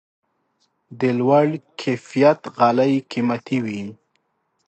د لوړ کیفیت غالۍ قیمتي وي.